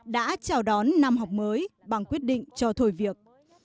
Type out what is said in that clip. đã chào đón năm học mới bằng quyết định cho thôi việc